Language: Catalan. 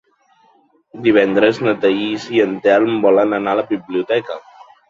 Divendres na Thaís i en Telm volen anar a la biblioteca.